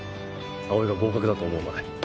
葵が合格だと思うまで。